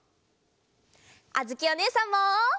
あづきおねえさんも！